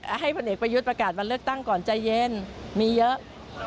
ให้พลเอกประยุทธ์ประกาศวันเลือกตั้งก่อนใจเย็นมีเยอะ